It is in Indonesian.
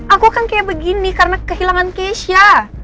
aku kan kayak begini karena kehilangan keisha